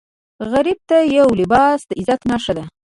غریب ته یو لباس د عزت نښه ده